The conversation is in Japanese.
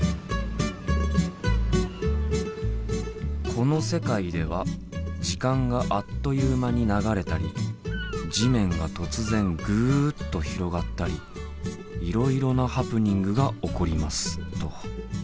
「この世界では時間があっという間に流れたり地面が突然ぐっと広がったりいろいろなハプニングが起こります」と。